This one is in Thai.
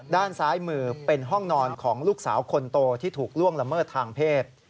ด้านซ้ายมือเป็นห้องนอนของลูกสาวคนโตที่ถูกล่วงละเมิดทางเพศ